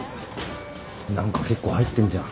何か結構入ってんじゃん。